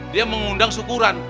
dia mengundang syukuran